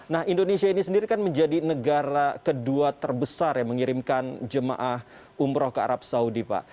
nah indonesia ini sendiri kan menjadi negara kedua terbesar yang mengirimkan jemaah umroh ke arab saudi pak